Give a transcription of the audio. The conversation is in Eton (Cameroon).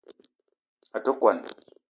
A te kwuan